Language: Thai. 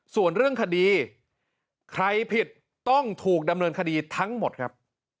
ส่วนเรื่องคดีใครผิดต้องถูกดำเนินคดีทั้งหมดครับ